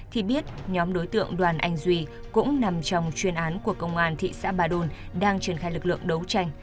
thì biết nhóm đối tượng đoàn anh duy cũng nằm trong chuyên án của công an thị xã ba đồn đang triển khai lực lượng đấu tranh